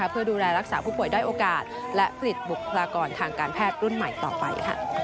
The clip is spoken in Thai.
เพื่อดูแลรักษาผู้ป่วยด้อยโอกาสและผลิตบุคลากรทางการแพทย์รุ่นใหม่ต่อไป